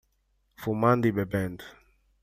Fumando e bebendo